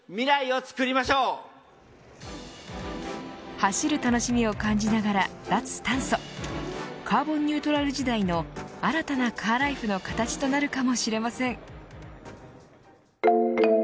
走る楽しみを感じながら脱炭素カーボンニュートラル時代の新たなカーライフの形となるかもしれません。